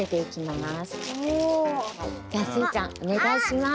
じゃスイちゃんおねがいします。